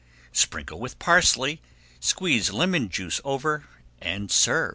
Sprinkle with parsley, squeeze lemon juice over, and serve.